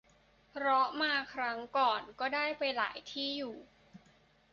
เพราะมาครั้งก่อนก็ได้ไปหลายที่อยู่